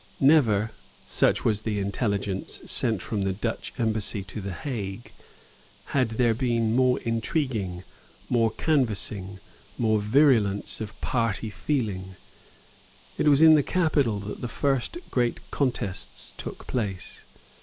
Never such was the intelligence sent from the Dutch Embassy to the Hague had there been more intriguing, more canvassing, more virulence of party feeling. It was in the capital that the first great contests took place.